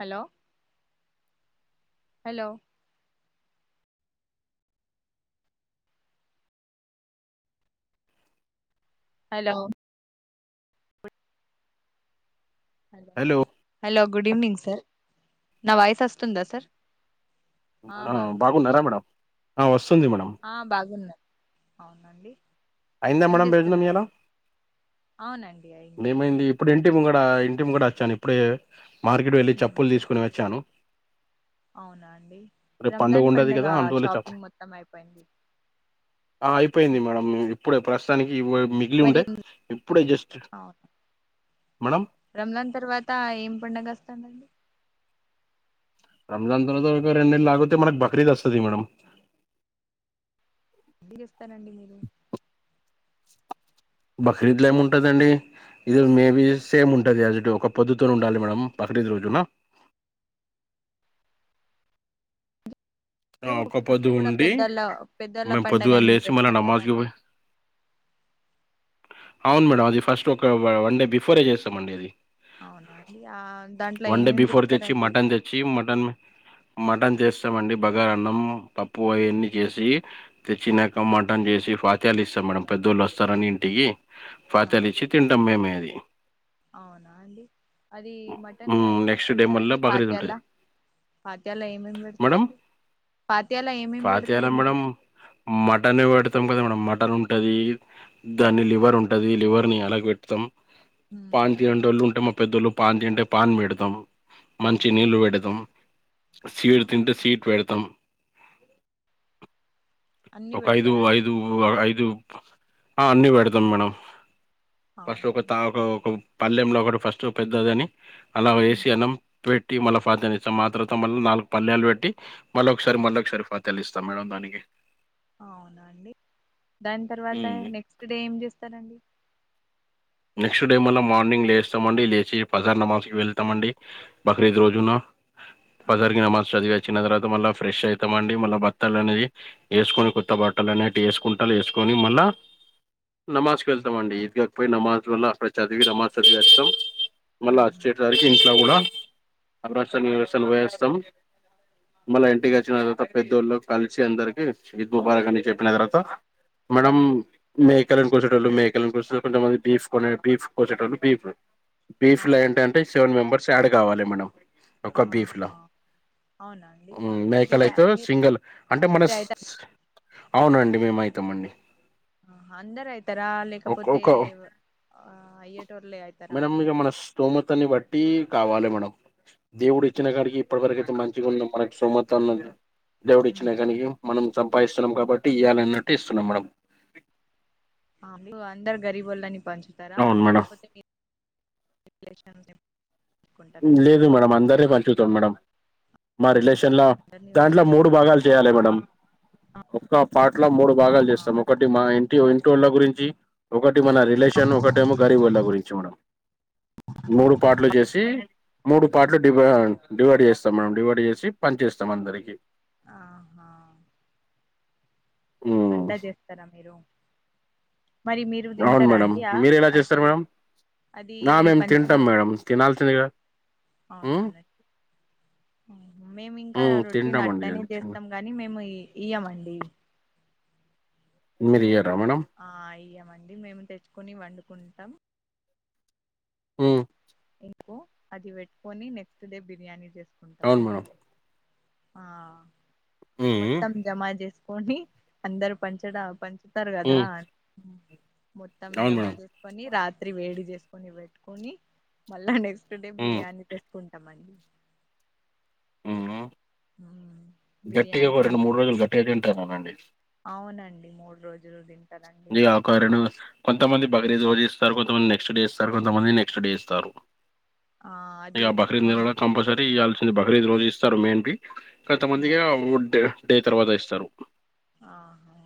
Hello hello hello! Hello hello good evening sir నా voice వస్తుందా sir ఆ బాగున్నారా మేడమ్ ఆ వస్ ఆ బాగున్నా. అవునండి అయిందా ఏం మేడం భోజనం చేస్తున్నారు ఇయాల అవునండి అయింది ఏమైంది ఇప్ ఇప్పుడు ఇంటి ముంగట ఇంటి ముంగట అచ్చాను ఇప్పుడే మార్కెట్ వెళ్ళి చెప్పుల్ తీస్కుని వచ్చాను. అవునా అండి రేపు పండుగ రంజాన్ ఉండది పండగ కదా అందువల్ల చెప్ప షాపింగ్ మొత్తం అయిపోయింది. ఆ అయిపోయింది మేడం ఇప్పుడే ప్రస్తుతానికి ఈ ఓ మిగిలి మరి ఉండే ఇప్పుడే జస్ట్ అవును మేడం రంజాన్ తర్వాత ఏం పండగ వస్తాదన్ రంజాన్ తర్వాత ఒక రెండు నెలలు ఆగుతే మనకు బక్రీద్ వస్తది మేడం. [unintelligible] ఇస్తారండి మీరు బక్రీద్ల ఏం ఉంటదండి ఇది మేబీ సేమ్ ఉంటది అసిటివ్ ఒక పొద్దుతోన్ ఉండాలి మేడం బ క్రీద్ రోజున ఆ ఫస్ట్ ఒకపొద్దు కూడా ఉండి పెద్దళ్ళ పెద్దళ్ళ మేం పొద్దుగాల పండగని లేసి మళ్ళ చేస్తారు కదా నమాజ్కి అండి పోయి అవున్ మేడం అది ఫస్ట్ ఒక వన్ డే బిఫోరే చేస్తమండి ఇది అవునా అండి ఆ దాంట్లో డే ఏమేం బిఫోర్ తెచ్చి చేస్తారండి మటన్ తెచ్చి మటన్ మటన్ చేస్తామండి బ గారన్నం, పప్పు అయన్నీ చేసి తెచ్చినాక మటన్ చే చ్చి ఫాత్యాలిస్తాం మేడం పెద్దోళ్ళు వస్తారని ఇంటికి ఆ ఫాత్యాలు ఇచ్చి తింటాం మేమే అది అవునా అండి అది మటన్లా హ్మ్. ఏమేం నెక్స్ట్ డే మళ్ళా పెడతరండి బక్రీద్ ఫాత్యాల్ల ఉంటది. ఫాత్యాల్లా ఏమేం పెడతారం ఫత్యాల మేడమ్ మటనే పెడ్తం క అంతే మేడం మటన్ ఉంటది హ్మ్. దాని లివరుంటది. లివర్ని అలగ్ పెడ్తం పాన్ హ్మ్. తినేటోళ్ళు ఉంటే మా పెద్దోళ్ళు పాన్ తింటే పాన్ పెడ్తాం. మంచి అవునా నీళ్లు పెడ్తం సీట్ తింట సీట్ పెడ్ తం అన్ని ఒక ఐదు పెడతారా అండి ఐదు ఐదు ఆ అన్నీ పెడ్తాం మేడం ఫస్ట్ అవునా ఒక తా ఒక ఒక పల్లెంల ఒకటి ఫస్ట్ పెద్దదని అలా హ్మ్. వేసి అన్నం పెట్టి మళ్ళ ఫాత్యాల్ ఇస్తాం ఆ తర్వాత మళ్ళ నాలుగు పల్యాలు పెట్టి మళ్ళీ ఒకసారి హ్మ్. మళ్ళీ ఒకసారి ఫాత్యాల్ ఇస్తాం మేడం దాన్ టీకే అవునా అండి దాని తర్వాత నెక్స్ట్ డే ఏం చేస్తారండి నెక్స్ట్ డే మళ్ళ మార్నింగ్ లేస్తామండి లేచి పజార్ నమాజ్కి వెళ్తమండి బక్రీద్ రోజున ఆ! ఫజార్కిి నమాజ్ చదివి వచ్చిన తర్వాత మళ్ళ ఫ్రెష్ అయితాం అండి మళ్ళ బత్తల్ అనేయి ఏస్కొని హ్మ్. కొత్త బట్టల్ అనేటి ఏస్కుంటర్ ఏస్కొని మళ్ళా నమాజ్ వెళ్తమండి [inaudible] పోయి నమాజ్ వల్ల అక్కడ చదివి నమాజ్ చదివి వస్తాం మళ్ళా హుహు. అచ్చేసరికి ఇంట్ల గుడా ఆ! [unintelligible] మళ్ళ ఆ! ఇంటికచ్చిన తర్వాత పెద్దోళ్ళు కలిసి అందర్కి ఈ ముబారక్ హ్మ్. అని చెప్పిన తర్వాత ఆ! మేడం మేక్ కలను కొసేటోల్లు మేకలని కోస్తారు కొంతమంది బీఫ్ కొనే కోసేటోళ్ళు బీఫ్ బీఫ్ల అవును ఏంటంటే సెవెన్ మెంబెర్స్ యాడ్ కావాలె మేడం ఆహా అవునా అండి మ్ మీర మేకలయితే మీరు సింగల్ అంటే మన అవుతారా అవునండి మేమైతమండి. ఆ అందరైతరా లేకపోతే ఆ అయ్యేటోర్లే అయితరా బహుమతన్ని బట్టి కావాలె మేడమ్ దేవుడిచ్చిన కాడికి ఇప్పట్ వరకయితే మంచిగున్నం. మనకి సోమతన్నం. దేవుడిచ్చిన కానికి మనం సంపాదిస్తున్నాం కాబట్టి ఇవ్యాలన్నట్టు ఇస్తున్నాం మేడమ్ మీ అందరు గరీబోళ్ళని పంచుతారా అవును మేడం లేకపోతే మీ [inaudible] పెట్టుకుంటారా అండి లేదు మేడం అందరీ పంచుతాం మేడం మా రిలేషన్ లో అందరినీ దాంట్లో మూడు భాగాలు చేయాలి మేడం పం ఒక్క పార్ట్ లో మూడు భాగాలు ఆహా చేస్తాం ఒకటి మా ఇ టి వెటోల్ల గురించి ఒకటి మన రిలేషన్ ఒకటి ఏమో గరిబోళ్ళ గురించి మేడం మూడు పార్ట్ లు జేసి మూడు పార్ట్లు డివ డివైడ్ జేస్తాం మేడం డివైడ్ చేసి పంచేేస్తాం అందరికీ ఆహా ఉమ్, అట్లా చేస్తారా మీరు మరి మీరు తింటారా అండి ఆ అది అది నా మేమ్ తింటాం మేడం తినాల్సిందేగ అవునన్ని మేము ఇంకా హ్మ్. రొటీన్ తింటామండి అట్లనే అది చిన్న చేస్తాం గాని మేము ఈ ఇయ్యమండీ మీరు మేము ఇయ్యరా కురు మేడం? ఆ ఇయ్యామండి మేము తెచ్చుకొని వండుకుంటాం హ్మ్ ఒ అది వెట్టుకొని నెక్స్ట్ డే బిర్యానీ అవును చేసుకుంటామండి మేడం. ఆ హ్మ్. హ్మ్. మొత్తం జమా జేస్కొని అందరు పంచద పంచ్ ఇస్తారు కదా హ్మ్. మొత్తం అవును జమా మేడం. జేస్కొని రా వేడి జేస్కొని బెట్టుకొని మళ్ళా నెక్స్ట్ డే హ్మ్. బిర్యానీ తీసు చెమండి హ్మ్ హు గట్టిగా ఒక బిర్యానీ రెండు మూడు రోజులు గట్టిగా తింటాననండి అవునండి మూడు రోజులు ది ఇ ఆ కరోణ కొంతమంది బగరీద్ రోజు ఇస్తారు కొంతమంది నెక్స్ట్ డే ఇస్తారు కొంతమంది నెక్స్ట్ డే ఇస్తారు ఆ అది ఇగ బక్రీద్ నెలల అవునండి కంపల్సరీ ఇయల్సింది బక్రీద్ రోజు ఇస్తారు మెయిన్ టి ఆ, కొంతమందిగా డె డే తర్వాత ఇస్తారు ఆహా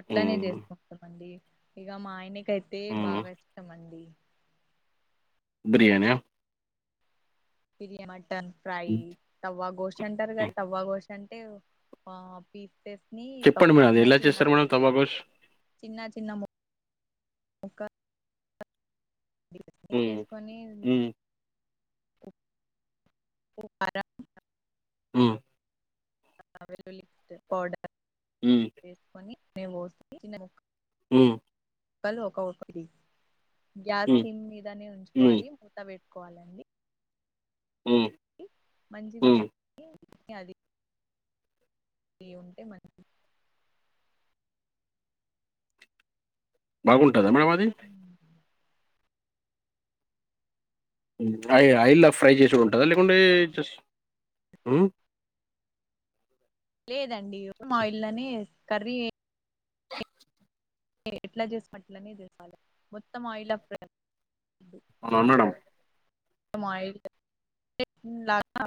అట్లనే హ్మ్. జేసుకుంటామండి ఇగ మా ఆయన ఐతే హ్మ్. బాగా ఇష్టమండి బిర్యాని ఆ మీరె మటన్ ఫ్రై హ్మ్. తవ్వగోష్ అంటారు కదా హ్మ్. తవ్వ గోష్ అంటే మా పి ఫెప్ నీ చెప్పండి మేడం అది చిన్నా ఎలా చిన్నా చేస్తారు మేడం తవ్వ గోష్? చిన్నా చిన్నా ము ఒక హ్మ్ హ్మ్ అర హ్మ్ వెల్లుల్లి పౌడర్ హ్మ్. వేసుకొని మేము చిన్న ముక్క హ్మ్ ఒకలు ఒక ఒకటి గ్యాస్ హ్మ్. హ్మ్. సిమ్ మీదనే హ్మ్. ఉంచుకోవాలి మూత పెట్ కోవాలండి హ్మ్. మంచిగా హ్మ్. నీ అది ఏ ఉంటే మంచి బాగుంటుందా మేడం అది ఆయి ఆయిలా ఫ్రై జేసి ఉంటుందా లేకుంటే జస్ హ్మ్ అ లేదండి ఆయిల్లోనే కర్రీ ఎట్లా జేస్కుంటారో మీరె చేపాలి మొత్తం ఆయిల్ల ఫ్రై అవును మేడం తం ఆయిల్ ఎ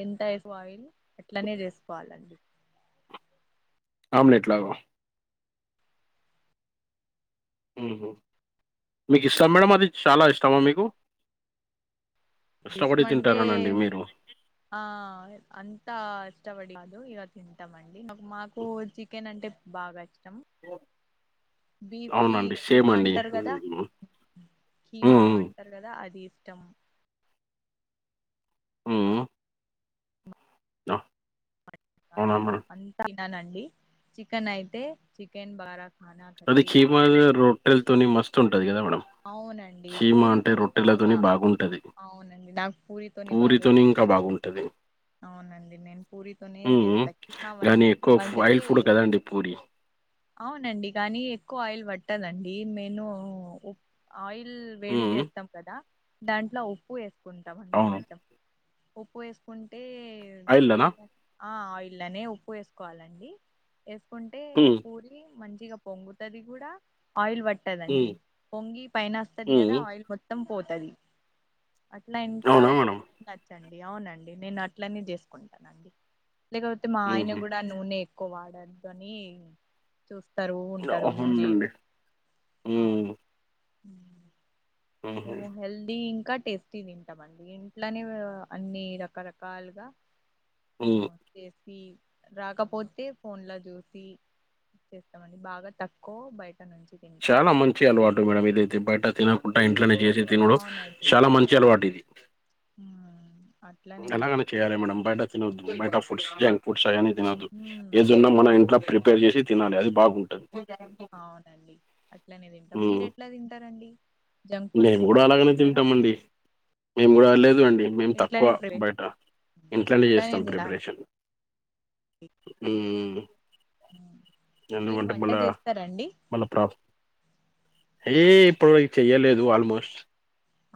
ఎంత ఎక్కువ ఆయిల్ ఇట్లనే జేస్కోవాలండి అవును ఎట్లగో హ్మ్ మీక్ ఇష్టమ్ మేడమ్ అది చాలా ఇష్టమా మీకు ఇస్ ఇష్టపడి మంటే తింటారనండి మీరు. అంతా ఇష్టపడి కాదు ఇగ తింటామండి మాకు చికెన్ అంటే బాగా ఇష్టం [inaudible] బీఫ్ ది అవునండి సేమ్ కీమా అండి అంటారు కదా హుమ్ కీమా అంటార్ కదా అది ఇష్టం హ్మ్. ఆ అడ్ అవునా లా మేడం? అంత తిననండి చికెన్ అయితే చికెన్ బారా ఖానా అది కట్టి దాల్ కీమాల్ రొట్టెల్ తోని మస్తు ఉంటది కదా మేడం అవునండి కీమా అంటే పూరితోని బాగా రొట్టెలతోని బాగుంటది. అవునండి నాకు పూరితోని బాగా ఇస్తాం ఉంటది అవునండి నేను పూరితోనే హ్మ్. చేస్తా కీమా వన్ కానీ ఎక్కువ ఫ్ వండ్ ఆయిల్ తే ఫుడ్ కదండీ పూరి. అవునండి గానీ ఎక్కువ ఆయిల్ పట్టదండి మేను ఊ ఆయిల్ వేడిడ్ హ్మ్. చేస్తాం కదా దాంట్లో ఉప్పు ఏసుకుంటామండి అవును. కొంచెం ఉప్పు వేసుకుం ఎయిర్ ఆయిల్‌లోనా? ఏమో ఆ ఆయిలనే ఉప్పు ఏసుకోవాలండి ఏసుకుంటే హ్మ్. పూరి మంచిగా పొంగుతది కూడా ఆయిల్ పట్టదండి హ్మ్. పొంగి పైన అస్తది కదా హ్మ్. ఆయిల్ మొత్తం పోతది అట్లా ఇంకా అవునా మేడం? చేత్ నచ్చండి అవునండి నేన్ అట్లనే చేసుకుంటానండి లేకపోతే మా ఆయన హుహు. కూడా నూనె ఎక్కువ వాడద్దు అని చూస్ తరువు ఉంటారు నూనె అవునండి. అవును హ్మ్. [inaudible] హుహు. మేము హెల్ ల్దీ ఇం ఇంకా టేస్టీ తింటామండి ఇంట్లనే వె వ అన్ని రకరకాలుగా ఆ హ్మ్. టేస్తి రాకపోతే ఫోన్ లో చూసి చేస్తామండి బాగా తక్కువ్ బయ్ చాలా మంచి అలవాటు మేడం ఇదైతే బయట తినకుండా ఇంట్లనే చేశి తినుడు అవునండి చాలా మంచి అలవాటు ఇది ఉమ్, అట్లానే ఇలాగనే ఉంటారు చేయాలి మేడం బయట తినద్దు బయట ఫుడ్స్ జంక్ ఫుడ్స్ అయి అని తినదు ఉమ్, ఏదన్నా మనం ఇంట్లో ప్రిపేర్ చేసి తినాలి అది బాగుంటంది అవునండి అట్లనే తింటాం హ్మ్. మీరు ఎట్లా తింటారండి జంక్ ఫుడ్ మేము కూడా అలాగనే తీసుకుంటారా తింటామ్ అండి మేము కూడా లేదు వండ్ [unintelligible] మేమ్ తక్కువ ఇంట్లోనే ప్రవేశ బయట ఇంట్లనే అట్లానే చేస్తాం తినాలి ప్రిపరేషన్ ఉమ్ ఉమ్. మీరు ఎందుకంటే వంట బళ్ళా చేస్తారండి మళ్ళా ప్రాబ్ ఏ ఇప్పుడు చెయ్యలేదు ఆల్ మోస్ట్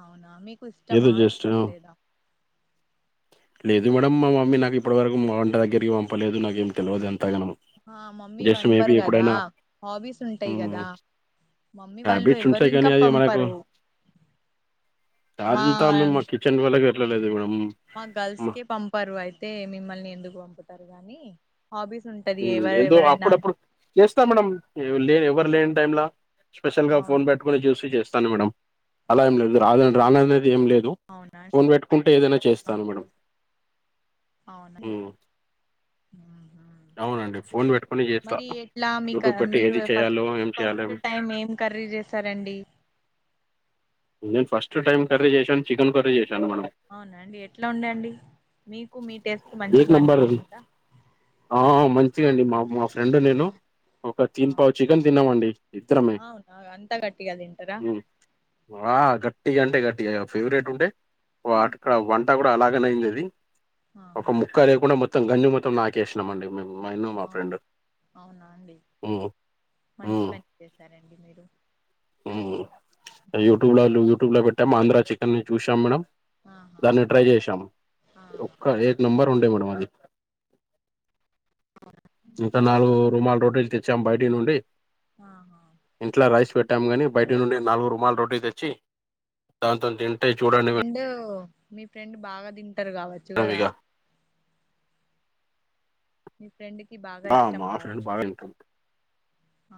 అవునా మీకు ఇష్టమా ఇష్టం లేదా లేదు మేడంమ్ మా మమ్మీ నాకు ఇప్పటివరకు మా వంట దగ్గరికి పంపలేదు నాకేమి తెలివదు అం తగనమ్ ఆ మమ్మీ జస్ట్ మేబి పంపరు కదా ఎప్పుడైనా హాబీస్ ఉంటాయి ఉమ్మ్ కదా మమ్మీ వాళ్ళు ట్యాబిట్స్ ఎవరు ఉంచాయి కానీ ఇంకా అది మనకు పంపరు మా అంతా మేమ్ మా కిచన్ వల ఎ ఎప్పుడు ఎల్ లేద్ [unintelligible] మేడం మా గల్ మ- స్కె పంపారు అయితే మిమ్మల్ని ఎందుక్ పంపుతారు గానీ ఉమ్ ఎదో అప్పుడప్పుడు చేస్తా మేడం ఎవల్ లేని ఎవరు లేని టైంలా స్పెషల్ గా ఫోన్ అవునా పెట్టుకోని చూసి చేస్తాను మేడం అలా ఏం లేదు రాద్ రాన్ అని ఏం లేదు అవునా ఫోన్ పెట్టుకుంటే ఏదైనా ఆ, చేస్తాను మేడం అవునండి మ్, ఉహుమ్ అవునండి ఫోన్ పెట్టుకుని చేస్తా మరి ఎట్లా మీక యూట్యూబ్ పెట్టి మీరు ఏది ఫస్ట్ చేయాలో ఏం చేయాలో ఫసస్టు టైం ఏం కర్రి ర్రి చేసారండి నేన్ ఫస్టు టైమ్ కర్రి చేశన్ చికెన్ కర్రి చే అవున అండి ఎట్లా ఉండండి మీకు మీ టేస్ట్ ఏక్ మంచిగా నంబర్ అనిపిచిందా ఆ ఆ మంచిగ అండి మా మా ఫ్రెండ్ నేను ఒక ఆ, తీన్ పావు చికెన్ తిన్నామండి ఇద్దరమే అవునా గ అంతా గట్టిగా తింటారా వా గట్టిగా అంటే గట్టి ఫేవరెట్ ఉంటే అక్కడ వంట గూడా అలాగనే అయింది అది ఒక ఆహా ముక్క లేకుండా మొత్తం గంజి మొత్తం నాకేసినాంమండి మేము మన్ మా అవు- ఫ్రెండ్ అవునా అండి హ్మ్మ్ మంచి పని చేసారండి మీరు ఉమ్ యూట్యూబ్ లో యూట్యూబ్ పెట్టాం ఆంద్ర చికెని చూసాం మేడం ఆహా దాన్ని ట్రై చేసాం ఆహా ఒక్క ఏక్ నంబర్ ఉండే మేడమ్ అది ఇంకా నాలుగు రూమాల్ రోటి తెచ్చాం బయటి నుండి ఆహా కాని బయటి నుండి నాలుగు రుమాల్ రోటీ తెచ్చి దాంతో చూడండి అండ్ మీ ఫ్రెండ్ బాగా తింటరు కావచ్చు మేడం గదా ఇగ మీ ఫ్రెండ్ కి బాగా అ ఇష్టం మా ఫెండ్ కావచ్చు బాగా తింటాడు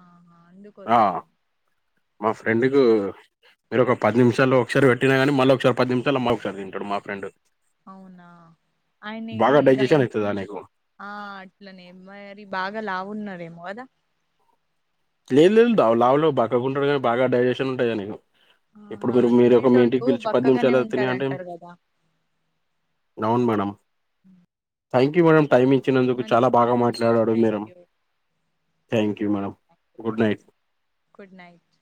ఆహా ఆ అందుకోసం మా ఫ్రెండ్ కు మీరు ఒక పది నిమిషాలు ఒకసారి పెట్టినా గానీ మళ్ళీ ఒకసారి పది నిమిషల్లో మా ఒకసారి తింటాడు మా ఫ్రెండ్ అవునా ఆయన్ని బాగా ఇగ డైజెషన్ అయితదా నీకు ఆ అట్లనే మరి బాగా లావున్నారేమో గదా లేదు లేదు లావు బక్కకుంటాడు కానీ బాగా డైజెషన్ ఉంటాయి ఆయనకు ఇప్పుడు ఆహా మీరు మీర ఒక మీ ఇంటికి తినేటోళ్ళు పిలిచి పది బక్కగానే నిమిషాలుతున్ను అంటే ఉంటారంటారు కదా అవును madam thank you madam time ఇచ్చినందుకు మంచి చాలా బాగా మాట్లాడాడు thank madam you thank you madam good night good night